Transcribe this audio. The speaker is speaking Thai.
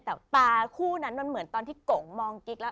แต่ตาคู่นั้นมันเหมือนตอนที่กงมองกิ๊กแล้ว